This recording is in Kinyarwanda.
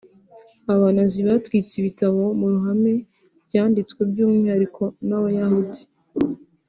abanazi batwitse ibitabo mu ruhame byanditswe by’umwihariko n’abayahudi